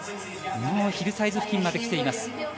もうヒルサイズ付近まで来ています。